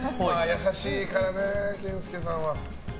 優しいからね、健介さんは。